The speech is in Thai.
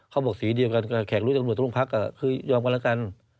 บอกสีเดียวกันกับแขกรู้ตำรวจตรงพักคือยอมกันแล้วกัน